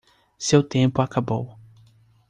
Seu tempo acabou